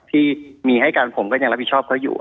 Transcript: ที่มีให้กันผมก็ยังรับผิดชอบเขาอยู่